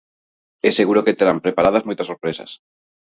E seguro que terán preparadas moitas sorpresas.